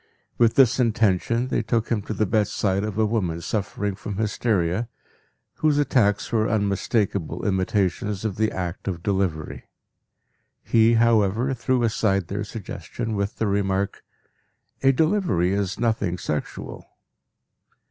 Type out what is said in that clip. With this intention they took him to the bedside of a woman suffering from hysteria, whose attacks were unmistakable imitations of the act of delivery. He, however, threw aside their suggestion with the remark, "a delivery is nothing sexual."